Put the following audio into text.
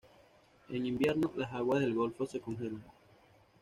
En invierno, las aguas del golfo se congelan.